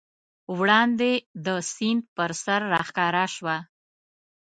وړاندې د سیند پر سر راښکاره شوه.